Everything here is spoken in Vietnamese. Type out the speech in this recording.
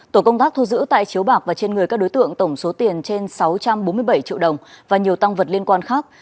tổ công tác thu giữ tại chiếu bạc và trên người các đối tượng tổng số tiền trên sáu trăm bốn mươi bảy triệu đồng và nhiều tăng vật liên quan khác